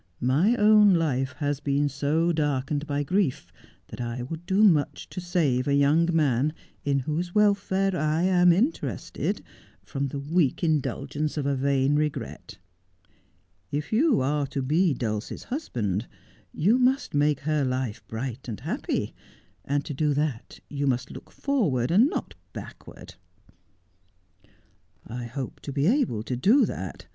My own life has been so darkened by grief that I would do much to save a young man, in whose welfare I am interested, from the weak indulgence of a vain regret. If you are to be Dulcie's hus band you must make her life bright and happy, and to do that you must look forward, and not backward.' ' I hope to be able to do that.